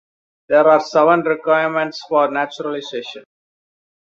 There are seven requirements for naturalisation.